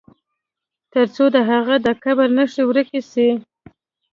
تر څو د هغه د قبر نښي ورکي سي.